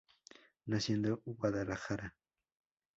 Nació en Guadalajara.